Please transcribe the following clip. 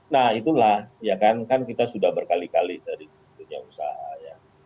nah itulah ya kan kita sudah berkali kali dari dunia usaha ya